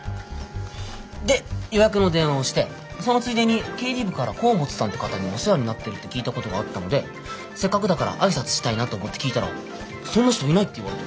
で予約の電話をしてそのついでに経理部から河本さんって方にお世話になってるって聞いたことがあったのでせっかくだから挨拶したいなと思って聞いたら「そんな人いない」って言われて。